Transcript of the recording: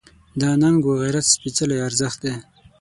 دا ننګ و غیرت سپېڅلی ارزښت دی.